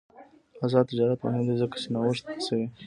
آزاد تجارت مهم دی ځکه چې نوښت هڅوي.